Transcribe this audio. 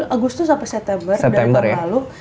agustus sampai september dari tahun lalu